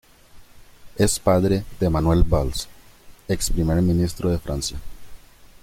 Es padre de Manuel Valls, ex Primer Ministro de Francia.